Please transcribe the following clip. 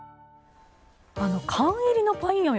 缶入りのパインアメ